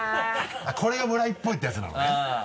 これが村井っぽいってやつなのねうん。